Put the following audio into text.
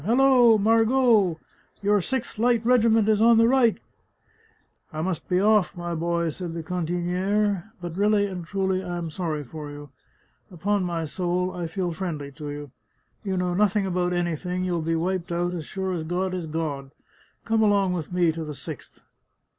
" Halloo, Margot ! Your Sixth Light Regiment is on the right !"" I must be oflf, my boy," said the cantiniere ;" but really and truly I am sorry for you ! Upon my soul, I feel friendly to you. You know nothing about anything ; you'll be wiped out, as sure as God is God; come along with me to the Sixth